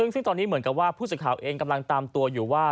ซึ่งตอนนี้เหมือนกับว่าผู้สื่อข่าวเองกำลังตามตัวอยู่ว่า